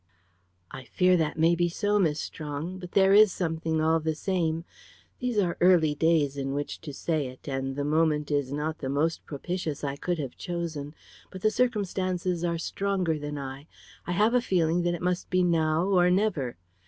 "I fear that may be so, Miss Strong. But there is something, all the same. These are early days in which to say it; and the moment is not the most propitious I could have chosen. But circumstances are stronger than I. I have a feeling that it must be now or never.